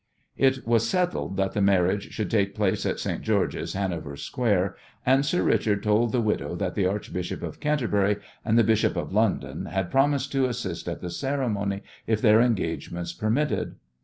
It was settled that the marriage should take place at St. George's, Hanover Square, and "Sir Richard" told the widow that the Archbishop of Canterbury and the Bishop of London had promised to assist at the ceremony if their engagements permitted.